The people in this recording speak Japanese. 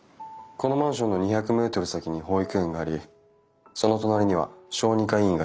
このマンションの２００メートル先に保育園がありその隣には小児科医院があります。